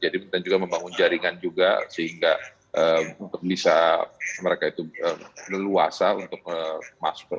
dan juga membangun jaringan juga sehingga bisa mereka itu leluasa untuk masuk